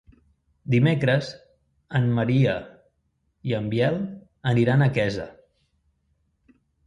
Dimecres en Maria i en Biel aniran a Quesa.